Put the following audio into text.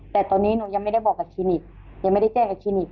แต่ตอนนี้หนูยังไม่ได้บอกกับคลินิกเห็นกับคลินิก